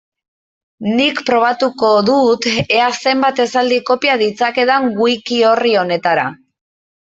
Nik probatuko dut ea zenbat esaldi kopia ditzakedan wiki-orri honetara.